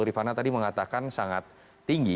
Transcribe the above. rifana tadi mengatakan sangat tinggi